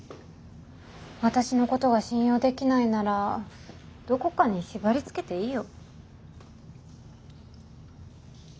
私のことが信用できないならどこかに縛りつけていいよ。